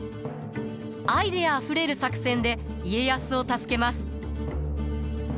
アイデアあふれる作戦で家康を助けます。